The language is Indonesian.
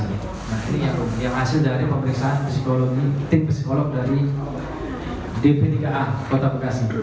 nah ini yang hasil dari pemeriksaan psikologi tim psikolog dari dppk kota bekasi